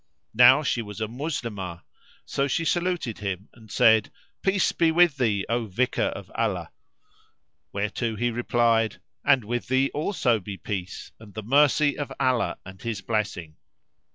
Now she was a Moslemah, so she saluted him and said, "Peace be with thee O Vicar[FN#351] of Allah;" whereto he replied, "And with thee also be peace and the mercy of Allah and His blessing."